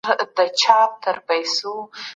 مالي تړونونه د سوداګرۍ خوندیتوب ساتي.